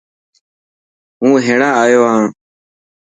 هون هينڙا آيو هان.